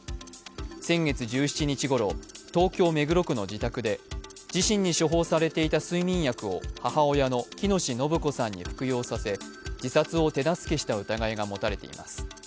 先月１７日ごろ、東京・目黒区の自宅で自身に処方されていた睡眠薬を母親の喜熨斗延子さんに服用させ自殺を手助けした疑いが持たれています。